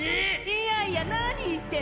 いやいや何言ってんの？